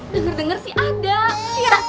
dengar dengar sih ada